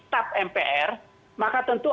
tap mpr maka tentu